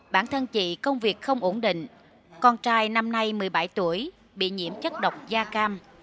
bản thân chị công việc không ổn định con trai năm nay một mươi bảy tuổi bị nhiễm chất độc da cam